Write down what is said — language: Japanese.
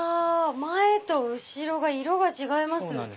前と後ろが色が違います。